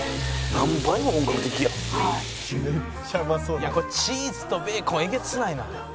いやこれチーズとベーコンえげつないな。